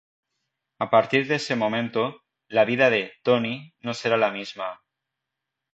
A partir de ese momento, la vida de "Tony" no será la misma.